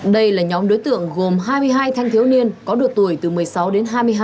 đây là nhóm đối tượng gồm hai mươi hai thanh thiếu niên có độ tuổi từ một mươi sáu đến hai mươi hai